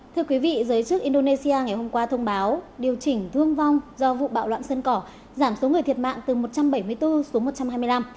thưa quý vị giới chức indonesia ngày hôm qua thông báo điều chỉnh thương vong do vụ bạo loạn sân cỏ giảm số người thiệt mạng từ một trăm bảy mươi bốn xuống một trăm hai mươi năm